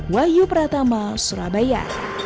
wahyu pratama surabaya